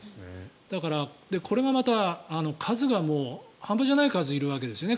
だから、これがまた数がもう、半端じゃない数いるわけですよね。